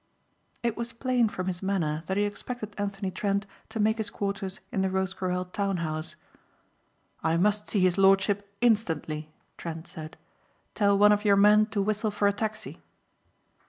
It was plain from his manner that he expected Anthony Trent to make his quarters in the Rosecarrel town house. "I must see his lordship instantly," Trent said. "Tell one of your men to whistle for a taxi."